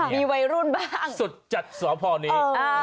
มีวัยรุ่นบ้างสุดจัดสพนี้